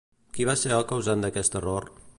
Qui va ser el causant d'aquest error?